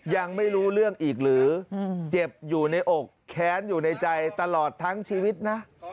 ยังไม่รู้เรื่องอีกหรือเจ็บอยู่ในอกแค้นอยู่ในใจตลอดทั้งชีวิตนะ